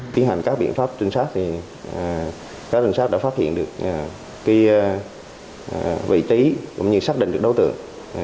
tiến hành các biện pháp trinh sát thì các trinh sát đã phát hiện được vị trí cũng như xác định được đối tượng